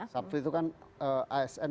sabtu itu kan asn